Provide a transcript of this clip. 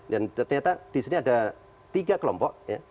dan ternyata di sini ada tiga kelompok ya